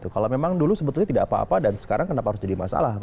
kalau memang dulu sebetulnya tidak apa apa dan sekarang kenapa harus jadi masalah